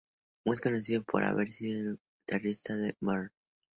Más conocido por haber sido el guitarrista de Mr.